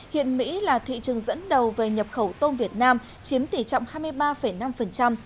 hiện mỹ là thị trường dẫn đầu về nhập khẩu tôm việt nam chiếm tỷ trọng hai mươi ba năm